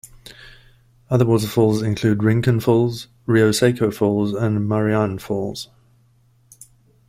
Other waterfalls include the Rincon Falls, Rio Seco Falls and Marianne Falls.